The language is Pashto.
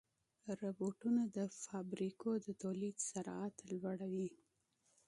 روبوټونه د فابریکو د تولید سرعت لوړوي.